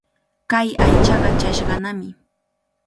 Kay aychaqa chashqanami.